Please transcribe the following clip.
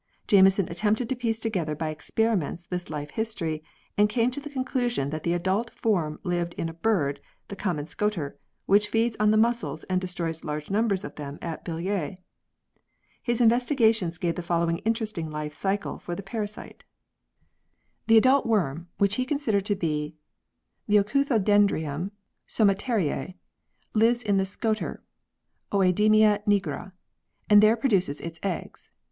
Jameson attempted to piece together by experiments this life history, and came to the conclusion that the adult form lived in a bird, the common Scoter, which feeds on the mussels and destroys large numbers of them at Billiers. His investigations gave the following interesting life cycle for the parasite. 72 100 PEARLS [CH. vin The adult worm (which he considered to be Leuci thodendrium somateriae) lives in the Scoter (Oedemia nigra) and there produces its eggs.